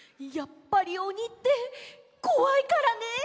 やっぱりおにってこわいからね！